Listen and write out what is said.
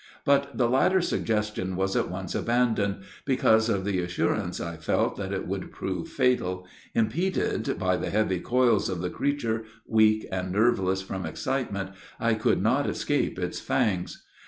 But the latter suggestion was at once abandoned, because of the assurance I felt that it would prove fatal; impeded by the heavy coils of the creature, weak and nerveless from excitement, I could not escape its fangs.